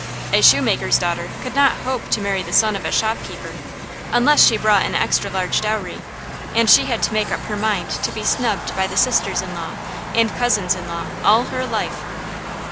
A shoemaker's daughter could not hope to marry the son of a shopkeeper, unless she brought an extra large dowry; and she had to make up her mind to be snubbed by the sisters in law and cousins in law all her life.